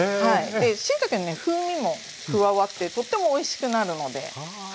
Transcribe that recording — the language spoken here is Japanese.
しいたけのね風味も加わってとってもおいしくなるので。